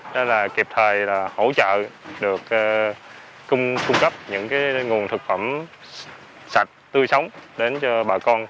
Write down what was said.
đó là kiệp thời là hỗ trợ được cung cấp những cái nguồn thực phẩm sạch tươi sống đến cho bà con